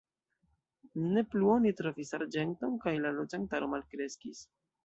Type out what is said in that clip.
Ne plu oni trovis arĝenton kaj la loĝantaro malkreskis.